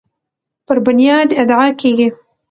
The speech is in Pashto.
پر بنیاد ادعا کیږي